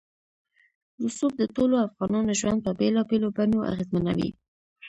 رسوب د ټولو افغانانو ژوند په بېلابېلو بڼو اغېزمنوي.